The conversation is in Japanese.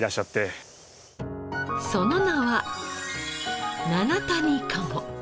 その名は七谷鴨。